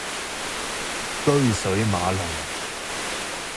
車水馬龍